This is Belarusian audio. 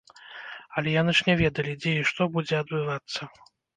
А яны ж не ведалі дзе і што будзе адбывацца.